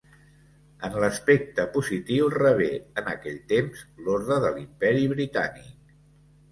En l'aspecte positiu, rebé, en aquell temps l'Orde de l'Imperi Britànic.